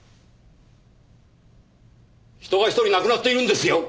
人が一人亡くなっているんですよ！